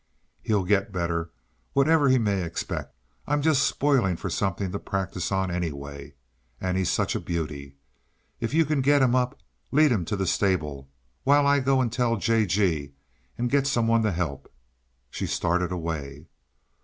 "He'll GET better, whatever he may expect. I'm just spoiling for something to practice on, anyway and he's such a beauty. If you can get him up, lead him to the stable while I go and tell J. G. and get some one to help." She started away.